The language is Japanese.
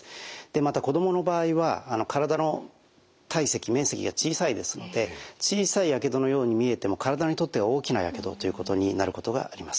また子どもの場合は体の体積面積が小さいですので小さいやけどのように見えても体にとっては大きなやけどということになることがあります。